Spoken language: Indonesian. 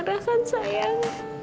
kau gak marah kan sayang